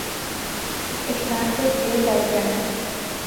Atlantic daylight time